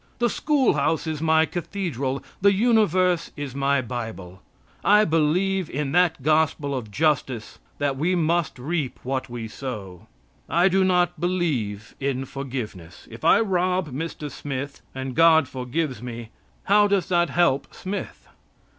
The school house is my cathedral. The universe is my Bible. I believe in that gospel of justice that we must reap what we sow. I do not believe in forgiveness. If I rob Mr. Smith and God forgives me, how does that help Smith?